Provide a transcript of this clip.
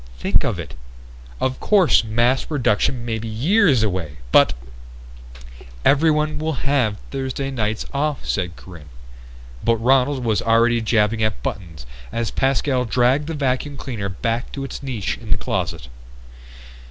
Think of it! Of course mass production may be years away, but ..." "Everyone will have Thursday nights off," said Corinne but Ronald was already jabbing at buttons as Pascal dragged the vacuum cleaner back to its niche in the closet.